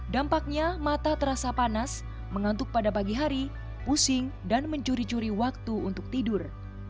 dampaknya mata terasa panas mengantuk pada pagi hari pusing dan mencuri curi waktu untuk tidur